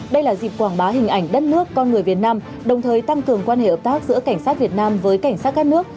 đây là dịp quảng bá hình ảnh đất nước con người việt nam đồng thời tăng cường quan hệ hợp tác giữa cảnh sát việt nam với cảnh sát các nước